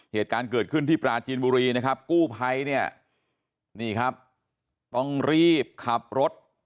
เหตุการณ์เกิดขึ้นที่ปราจีนบุรีนะครับกู้ไภต้องรีบขับรถ